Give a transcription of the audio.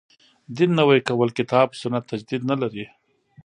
دین نوی کول کتاب سنت تجدید نه لري.